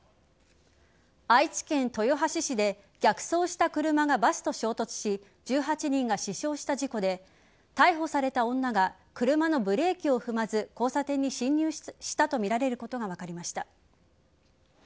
愛知県豊橋市で逆走した車がバスと衝突し１８人が死傷した事故で逮捕された女が車のブレーキを踏まず交差点に進入したとみられることが分かりました。